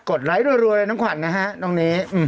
กดไลค์รวยแล้วน้องขวัญนะตรงนี้